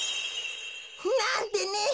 なんてね！